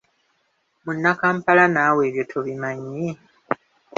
Munnakampala, naawe ebyo tobimanyi?